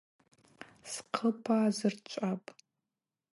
Схъылпа азырчӏвапӏ.